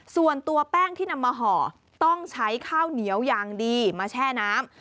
ส่วนตัวแป้งที่นำมาห่อต้องใช้ข้าวเหนียวอย่างดีมาแช่น้ำ